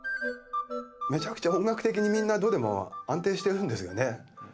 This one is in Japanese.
めちゃくちゃ音楽的にみんなどれも安定してるんですよね。